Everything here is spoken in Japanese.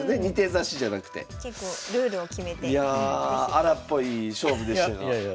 荒っぽい勝負でしたがいやいや。